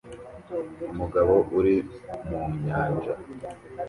Umugabo uri mu nyanja